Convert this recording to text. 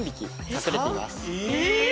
え！？